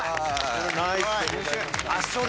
ナイスでございました。